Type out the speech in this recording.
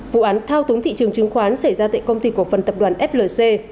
vụ án thao túng thị trường chứng khoán xảy ra tại công ty cổ phần tập đoàn flc